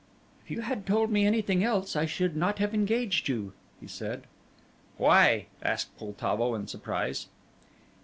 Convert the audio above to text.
"If you had told me anything else, I should not have engaged you," he said. "Why?" asked Poltavo in surprise.